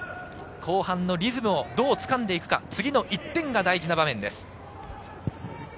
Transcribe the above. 後半のリズムを同つかんでいくか、次の１点が大事な場面です。